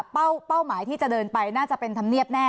เป้าหมายที่จะเดินไปน่าจะเป็นธรรมเนียบแน่